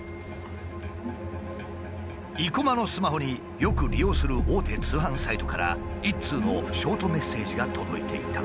生駒のスマホによく利用する大手通販サイトから一通のショートメッセージが届いていた。